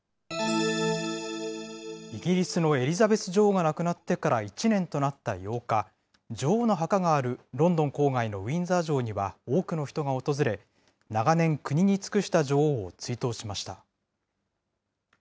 イギリスのエリザベス女王が亡くなってから１年となった８日、女王の墓があるロンドン郊外のウィンザー城には多くの人が訪れ、長年、国に尽くした女王を追悼しました。